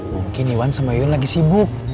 mungkin iwan sama iwan lagi sibuk